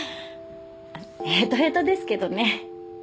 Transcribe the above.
へとへとですけどね。